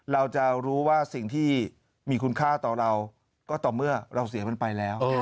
เราจะรู้ว่าสิ่งที่มีคุณค่าต่อเราก็ต่อเมื่อเราเสียมันไปแล้ว